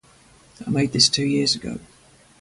I made this two years ago.